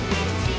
gak usah nanya